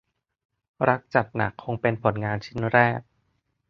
รักจัดหนักคงเป็นผลงานชิ้นแรก